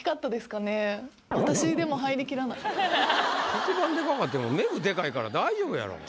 黒板デカかってもメグデカいから大丈夫やろ。